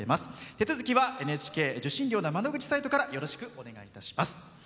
手続きはＮＨＫ受信料の窓口サイトからよろしくお願いいたします。